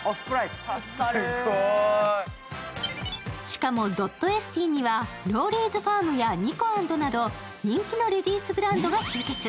しかもドットエスティにはローリーズファームやニコアンドなど人気のレディースブランドが集結。